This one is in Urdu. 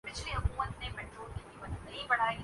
بی بی سی، پاکستان مخالف پروپیگنڈہ مشین ہے۔ یہ ہم جانتے ہیں